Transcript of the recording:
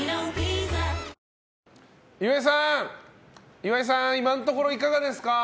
岩井さん、今のところいかがですか？